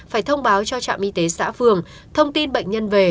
phải thông báo cho trạm y tế xã phường thông tin bệnh nhân về